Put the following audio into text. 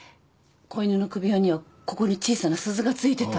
子犬の首輪にはここに小さな鈴が付いてた。